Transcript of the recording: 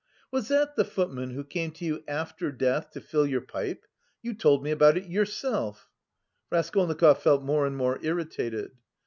"Was that the footman who came to you after death to fill your pipe?... you told me about it yourself." Raskolnikov felt more and more irritated.